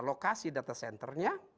lokasi data center nya